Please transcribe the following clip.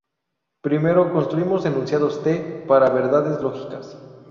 Primero, construimos enunciados "T" para verdades lógicas.